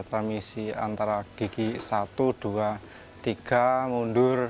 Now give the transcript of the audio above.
transmisi antara gigi satu dua tiga mundur